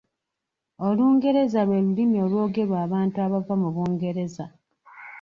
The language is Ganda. Olungereza lwe lulimi olwogerwa abantu abava mu Bungereza.